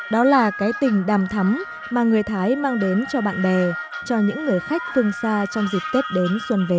đó là cái tình đàm thắm mà người thái mang đến cho bạn bè cho những người khách phương xa trong dịp tết đến xuân về